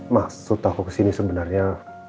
maksud aku kesini sebenarnya